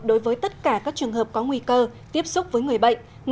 đối với tất cả các trường hợp có nguy cơ tiếp xúc với người bệnh